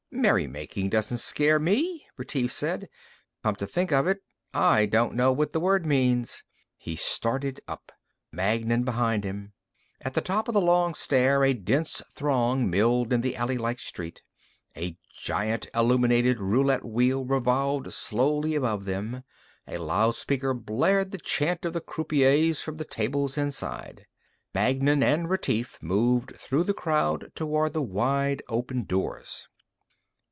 "Merrymaking doesn't scare me," Retief said. "Come to think of it, I don't know what the word means." He started up, Magnan behind him. At the top of the long stair a dense throng milled in the alley like street. A giant illuminated roulette wheel revolved slowly above them. A loudspeaker blared the chant of the croupiers from the tables inside. Magnan and Retief moved through the crowd toward the wide open doors.